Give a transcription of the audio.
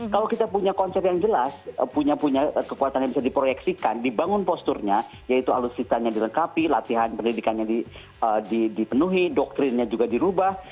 kalau kita punya konsep yang jelas punya kekuatan yang bisa diproyeksikan dibangun posturnya yaitu alutsistanya dilengkapi latihan pendidikannya dipenuhi doktrinnya juga dirubah